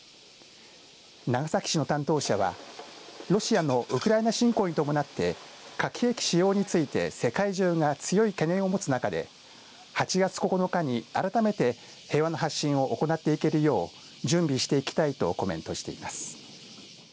長崎市の担当者はロシアのウクライナ侵攻に伴って核兵器使用について世界中が強い懸念を持つ中で８月９日に改めて平和の発信を行っていけるよう準備していきたいとコメントしています。